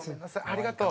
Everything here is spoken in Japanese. ありがとう！